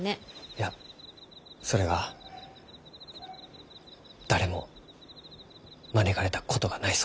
いやそれが誰も招かれたことがないそうじゃ。